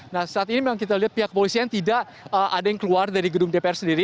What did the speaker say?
nah saat ini memang kita lihat pihak polisian tidak ada yang keluar dari gedung dpr sendiri